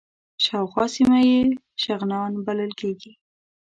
شاوخوا سیمه یې شغنان بلل کېږي.